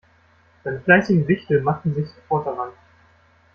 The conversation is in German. Seine fleißigen Wichtel machten sich sofort daran.